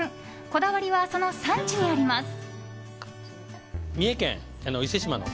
こだわりは、その産地にあります。